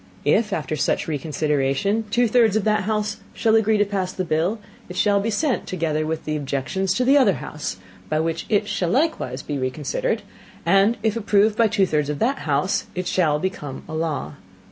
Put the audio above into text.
If after such Reconsideration two thirds of that house shall agree to pass the Bill, it shall be sent, together with the Objections, to the other House, by which it shall likewise be reconsidered, and if approved by two thirds of that House, it shall become a law.